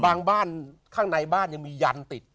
บ้านข้างในบ้านยังมียันติด